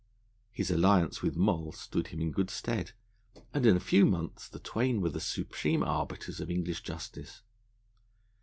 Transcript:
His alliance with Moll stood him in good stead, and in a few months the twain were the supreme arbiters of English justice.